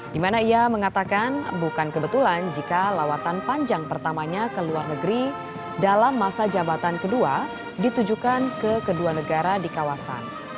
di mana ia mengatakan bukan kebetulan jika lawatan panjang pertamanya ke luar negeri dalam masa jabatan kedua ditujukan ke kedua negara di kawasan